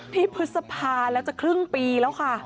พฤษภาแล้วจะครึ่งปีแล้วค่ะ